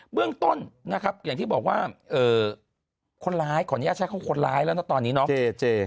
เรื่องต้นนะครับอย่างที่บอกว่าคนร้ายขออนุญาตใช้คำว่าคนร้ายแล้วนะตอนนี้เนาะ